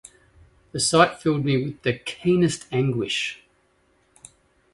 The sight filled me with the keenest anguish.